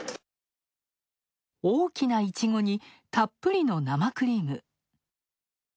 大きなイチゴにたっぷりの生クリーム。